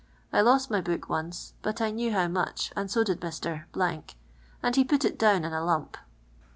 I lost my book mice, btft 1 knew how much, and so did Mr. , Bnd be put it down in a lump.